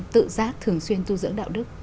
tự giác thường xuyên tu dưỡng đạo đức